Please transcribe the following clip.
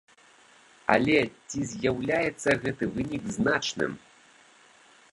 Але ці з'яўляецца гэты вынік значным?